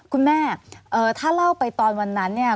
คุณแม่ถ้าเล่าไปตอนวันนั้นเนี่ย